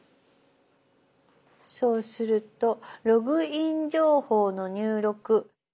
そうすると「ログイン情報の入力」。